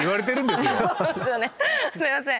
すいません。